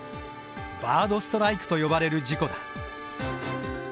バードストライクと呼ばれる事故だ。